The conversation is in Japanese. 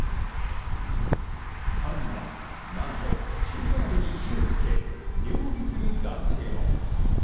更には、何と中華鍋に火を付け料理する男性も。